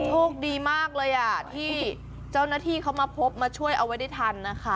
โชคดีมากเลยอ่ะที่เจ้าหน้าที่เขามาพบมาช่วยเอาไว้ได้ทันนะคะ